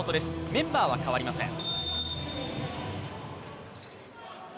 メンバーはかわりません。